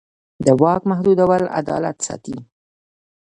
د واک محدودول عدالت ساتي